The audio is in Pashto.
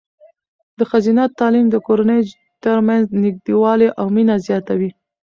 د ښځینه تعلیم د کورنیو ترمنځ نږدېوالی او مینه زیاتوي.